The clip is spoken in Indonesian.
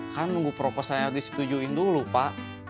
kan nunggu proposanya disetujuin dulu pak